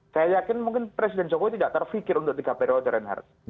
saya yakin presiden jokowi mungkin tidak terfikir untuk tiga periode renar